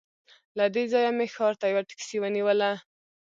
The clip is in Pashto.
له دې ځایه مې ښار ته یوه ټکسي ونیوله.